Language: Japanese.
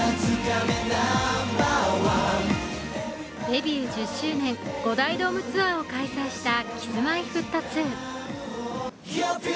デビュー１０周年５大ドームツアーを開催したＫｉｓ−Ｍｙ−Ｆｔ２。